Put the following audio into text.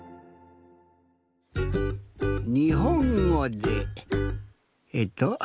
にほんごでえっと。